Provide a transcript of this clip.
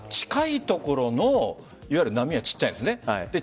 近いところのいわゆる波は小さいんですね。